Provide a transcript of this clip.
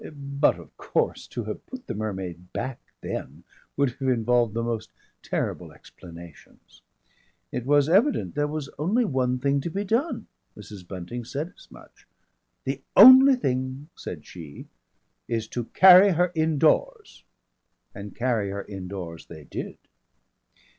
But of course to have put the mermaid back then would have involved the most terrible explanations.... It was evident there was only one thing to be done. Mrs. Bunting said as much. "The only thing," said she, "is to carry her indoors." And carry her indoors they did!...